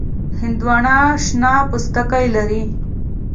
هندوانه شنه پوستکی لري.